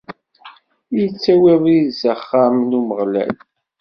Nettawi abrid s axxam n Umeɣlal.